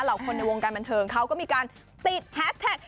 คนในวงการบันเทิงเขาก็มีการติดแฮสแท็ก